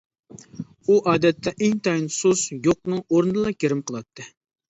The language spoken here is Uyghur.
ئۇ ئادەتتە ئىنتايىن سۇس، يوقنىڭ ئورنىدىلا گىرىم قىلاتتى.